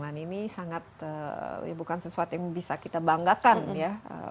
dan ini sangat bukan sesuatu yang bisa kita banggakan ya